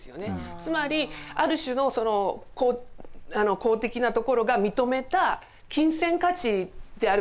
つまりある種の公的なところが認めた金銭価値であります